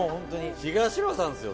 東野さんですよ